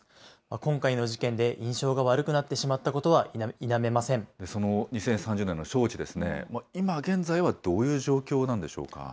今回の事件で、印象が悪くなってその２０３０年の招致ですね、今現在はどういう状況なんでしょうか。